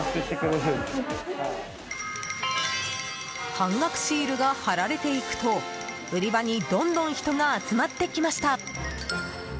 半額シールが貼られていくと売り場にどんどん人が集まってきました。